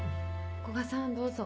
・古賀さんどうぞ。